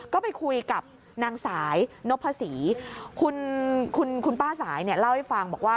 ก็ไปคุยกับนางสายนพศรีคุณป้าสายเนี่ยเล่าให้ฟังบอกว่า